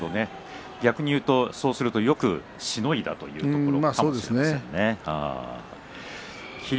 逆に言うとよくしのいだというところかもしれませんね。